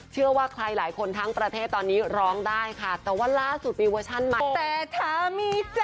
เชื่อว่าใครหลายคนทั้งประเทศตอนนี้ร้องได้ค่ะแต่ว่าล่าสุดมีเวอร์ชั่นใหม่